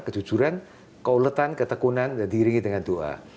kejujuran keuletan ketekunan dan diiringi dengan doa